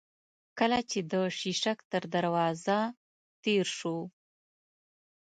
کله چې د شېشک تر دروازه تېر شوو.